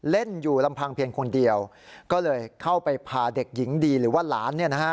เล่นอยู่ลำพังเพียงคนเดียวก็เลยเข้าไปพาเด็กหญิงดีหรือว่าหลาน